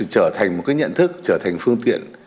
trở thành một nhận thức trở thành phương tiện